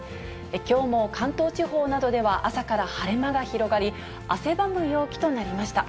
きょうも関東地方などでは朝から晴れ間が広がり、汗ばむ陽気となりました。